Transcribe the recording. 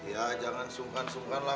ya jangan sungkan sungkan lah